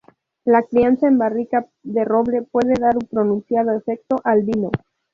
La crianza en barrica de roble puede dar un pronunciado efecto al vino.